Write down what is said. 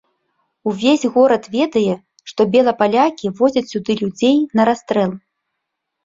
Увесь горад ведае, што белапалякі возяць сюды людзей на расстрэл.